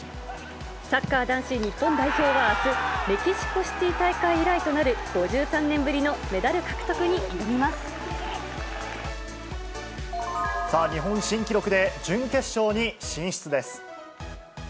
サッカー男子日本代表はあす、メキシコシティー大会以来となる５３年ぶりのメダル獲得に挑みまさあ、日本新記録で準決勝に進出です。